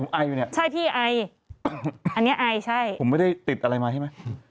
ไออยู่เนี่ยใช่พี่ไออันนี้ไอใช่ผมไม่ได้ติดอะไรมาใช่ไหม